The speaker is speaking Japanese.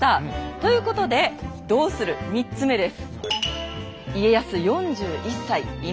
ということで「どうする⁉」３つ目です。